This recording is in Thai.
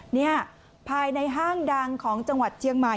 นี่ภายในห้างดังของจังหวัดเชียงใหม่